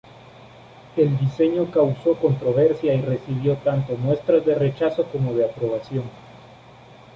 El diseño causo controversia y recibió tanto muestras de rechazo como de aprobación.